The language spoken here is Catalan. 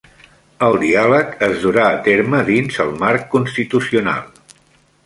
El diàleg es durà a terme dins el marc constitucional